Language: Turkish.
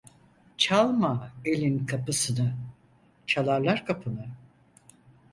Çalma elin kapısını, çalarlar kapını.